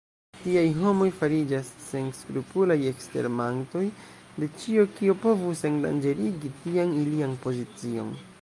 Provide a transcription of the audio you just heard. Tiaj homoj fariĝas senskrupulaj ekstermantoj de ĉio, kio povus endanĝerigi tian ilian pozicion.